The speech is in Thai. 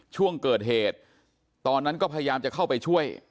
ช่วงเกิดเหตุตอนนั้นก็พยายามจะเข้าไปช่วย